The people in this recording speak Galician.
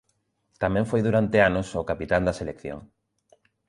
Tamén foi durante anos o capitán da selección.